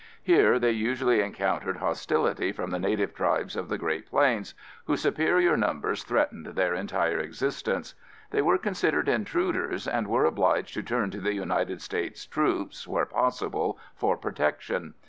Here they usually encountered hostility from the native tribes of the Great Plains whose superior numbers threatened their entire existence. They were considered intruders and were obliged to turn to the United States troops, where possible, for protection.